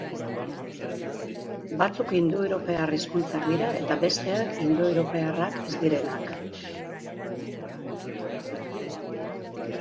Batzuk indoeuropar hizkuntzak dira eta besteak indoeuroparrak ez direnak.